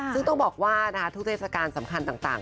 ซึ่งต้องบอกว่าทุกเทศกาลสำคัญต่าง